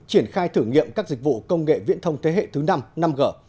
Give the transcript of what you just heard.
triển khai thử nghiệm các dịch vụ công nghệ viễn thông thế hệ thứ năm năm g